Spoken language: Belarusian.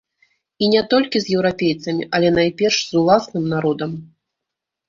І не толькі з еўрапейцамі, але найперш з уласным народам.